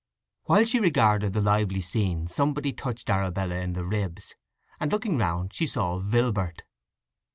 While she regarded the lively scene somebody touched Arabella in the ribs, and looking round she saw Vilbert.